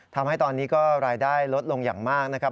ทำให้ตอนนี้ก็รายได้ลดลงอย่างมากนะครับ